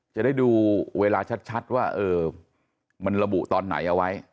จะได้ดูเวลาชัดว่ามันระบุตอนไหนเอาไว้